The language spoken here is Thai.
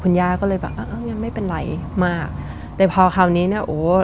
ย่าก็เลยแบบอ้าวยังไม่เป็นไรมากแต่พอคราวนี้เนี้ยโอ้